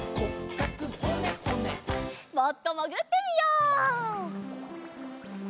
もっともぐってみよう。